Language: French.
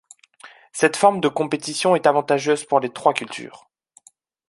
Cette forme de compétition est avantageuse pour les trois cultures.